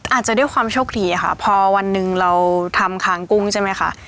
อาจจะด้วยความโชคดีค่ะพอวันหนึ่งเราทำค้างกุ้งใช่ไหมคะ